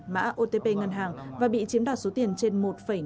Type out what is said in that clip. mã otp ngân hàng và bị chiếm đoạt số tiền trên một năm tỷ